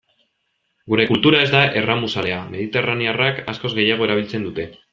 Gure kultura ez da erramuzalea, mediterranearrek askoz gehiago erabiltzen dute.